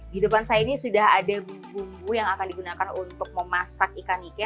di depan saya ini sudah ada bumbu bumbu yang akan digunakan untuk memasak ikan ike